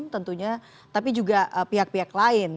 tentunya tapi juga pihak pihak lain